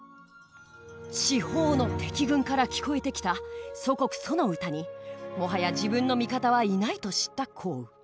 四方の敵軍から聞こえてきた祖国楚の歌にもはや自分の味方はいないと知った項羽。